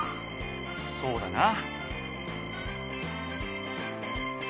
そうだな。